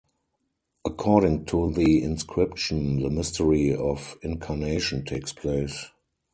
According to the inscription, the mystery of incarnation takes place.